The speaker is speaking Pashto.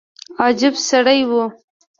عجب سړى و.